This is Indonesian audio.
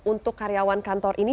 untuk karyawan kantor ini